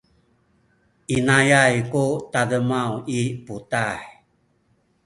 inayay ku tademaw i putah.